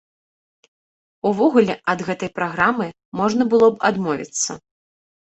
Увогуле, ад гэтай праграмы можна было б адмовіцца.